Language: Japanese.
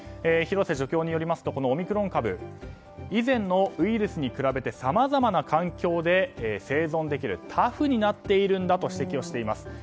廣瀬助教によりますとオミクロン株は以前のウイルスに比べてさまざまな環境で生存できるタフになっているんだと指摘しています。